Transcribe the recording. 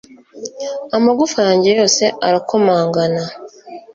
amagufa yanjye yose arakomangana